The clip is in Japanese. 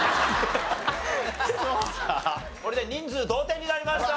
これで人数同点になりました。